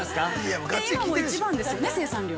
で、今も一番ですよね、生産量。